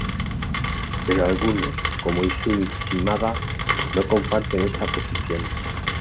Pero algunos, como Izumi Shimada, no comparten esta posición.